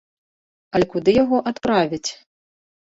Але куды яго адправяць?